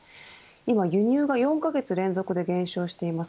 今輸入が４カ月連続で減少しています。